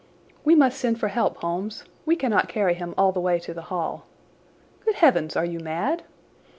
"We must send for help, Holmes! We cannot carry him all the way to the Hall. Good heavens, are you mad?"